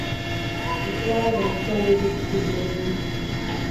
It was a storybook season.